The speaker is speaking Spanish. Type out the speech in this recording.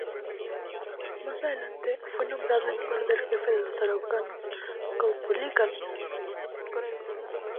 Más adelante fue nombrado en honor del jefe de los araucanos Caupolicán.